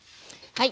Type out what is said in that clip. はい。